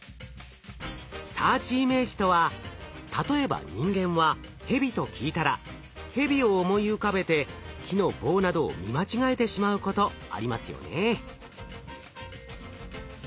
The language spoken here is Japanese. サーチイメージとは例えば人間は「ヘビ」と聞いたらヘビを思い浮かべて木の棒などを見間違えてしまうことありますよね。